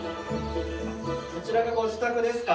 こちらがご自宅ですか？